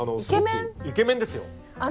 イケメンですよ。